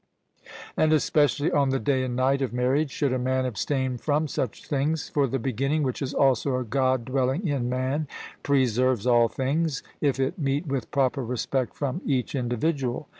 And especially on the day and night of marriage should a man abstain from such things. For the beginning, which is also a God dwelling in man, preserves all things, if it meet with proper respect from each individual.